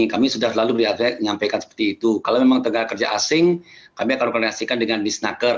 kami sudah selalu menyampaikan seperti itu kalau memang tenaga kerja asing kami akan koordinasikan dengan di snaker